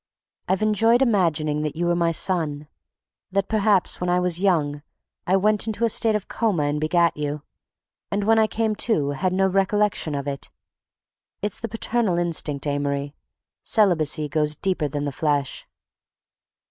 I've enjoyed imagining that you were my son, that perhaps when I was young I went into a state of coma and begat you, and when I came to, had no recollection of it... it's the paternal instinct, Amory—celibacy goes deeper than the flesh....